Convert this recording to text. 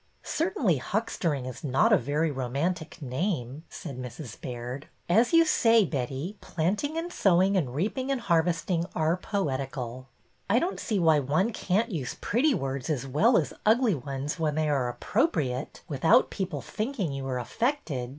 '' Certainly huckstering is not a very romantic name," said Mrs. Baird. As you say, Betty, planting and sowing and reaping and harvesting are poetical." I don't see why one can't use pretty words as well as ugly ones when they are appropriate, A NEW SCHEME 89 without people thinking you are affected.